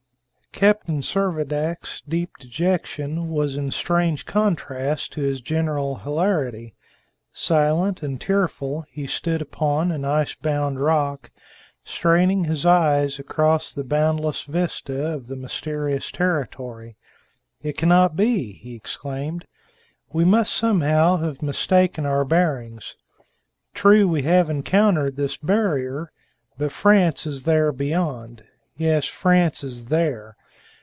Captain Servadac's deep dejection was in strange contrast to his general hilarity. Silent and tearful, he stood upon an ice bound rock, straining his eyes across the boundless vista of the mysterious territory. "It cannot be!" he exclaimed. "We must somehow have mistaken our bearings. True, we have encountered this barrier; but France is there beyond! Yes, France is _there!